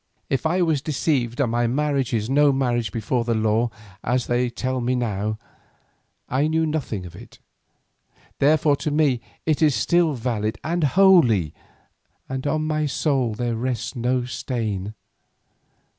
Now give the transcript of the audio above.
If I was deceived and my marriage is no marriage before the law as they tell me now, I knew nothing of it, therefore to me it is still valid and holy and on my soul there rests no stain.